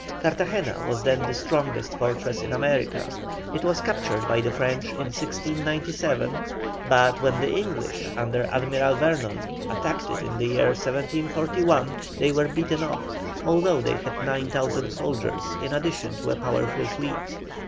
Cartagena was then the strongest fortress in America. It was captured by the French in 1697, but when the English, under Admiral Vernon, attacked it in the year 1741 they were beaten off, although they had 9,000 soldiers in addition to a powerful fleet.